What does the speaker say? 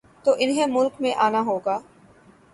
تو انہیں ملک میں آنا ہو گا۔